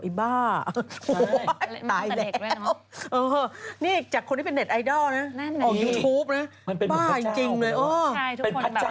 ไอ้บ้าโอ้โฮยตายแล้วจากคนที่เป็นเน็ตไอดอลนะออกยูทูปนะบ้าจริงเลยโอ้ยเป็นพระเจ้า